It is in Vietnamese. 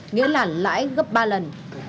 nghĩa là lãi gấp ba lần